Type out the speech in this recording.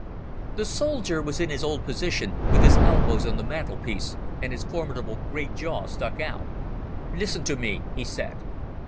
The soldier was in his old position with his elbows on the mantelpiece and his formidable great jaw stuck out. "Listen to me," he said.